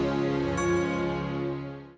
saya memberikan refrain tentang ibu